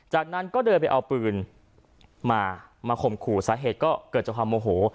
จากนั้นก็เดินไปเอาปืนมามาข่มขู่สาเหตุก็เกิดจากความโมโห